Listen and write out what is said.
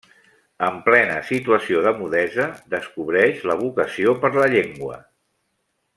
En plena situació de mudesa, descobreix la vocació per la llengua.